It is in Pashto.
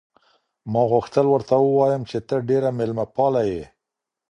ما غوښتل ورته ووایم چې ته ډېره مېلمه پاله یې.